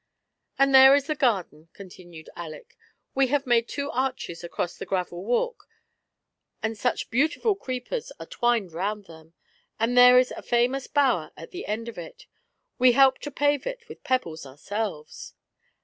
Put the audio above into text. "And there is the garden," continued Aleck; "we have made two arches across the gravel walk, and such beautiful creepers are twined round them; and there is a famous bower at the end of it — we helped to pave it with pebbles ourselves."